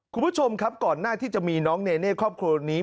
คุณผู้ชมครับก่อนหน้าที่จะมีน้องเนเน่ครอบครัวนี้